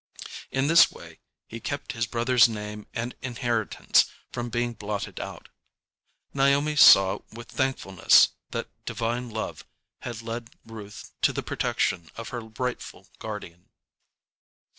In this way he kept his brother's name and inheritance from being blotted out. Naomi saw with thankfulness that Divine Love had led Ruth to the protection of her rightful guardian.